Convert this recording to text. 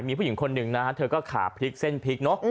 มีผู้หญิงคนหนึ่งนะฮะเธอก็ขาพริกเส้นพลิกเนอะ